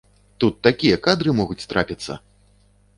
Тут такія кадры могуць трапіцца!